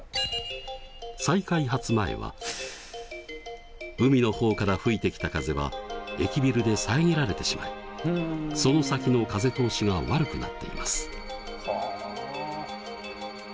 再開発前は海の方から吹いてきた風は駅ビルで遮られてしまいその先の風通しが悪くなっています。